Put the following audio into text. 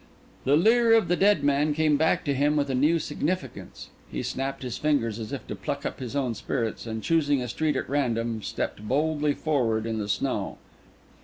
The leer of the dead man came back to him with a new significance. He snapped his fingers as if to pluck up his own spirits, and choosing a street at random, stepped boldly forward in the snow.